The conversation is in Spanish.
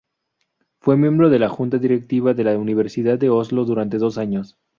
Fue miembro de la junta directiva de la Universidad de Oslo durante dos años.